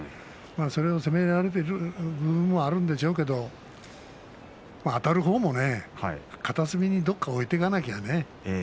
それを攻められる部分もあるんでしょうけれどもあたる方も片隅にどこか置いていかなきゃね。